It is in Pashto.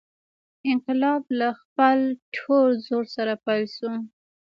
انقلاب له خپل ټول زور سره پیل شو.